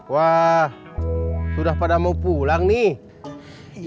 wah sudah pada mau pulang nih